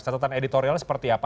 catatan editorialnya seperti apa